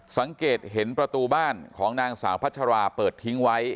สังเกตเห็นประตูบ้านของนางสาวพัชราเปิดทิ้งไว้